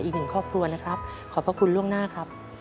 อีกหนึ่งครอบครัวนะครับขอบพระคุณล่วงหน้าครับ